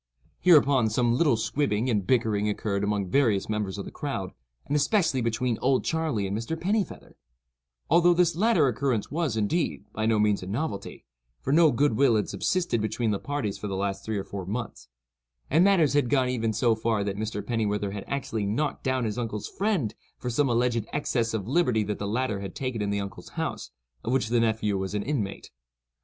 '" Hereupon some little squibbing and bickering occurred among various members of the crowd, and especially between "Old Charley" and Mr. Pennifeather—although this latter occurrence was, indeed, by no means a novelty, for little good will had subsisted between the parties for the last three or four months; and matters had even gone so far that Mr. Pennifeather had actually knocked down his uncle's friend for some alleged excess of liberty that the latter had taken in the uncle's house, of which the nephew was an inmate.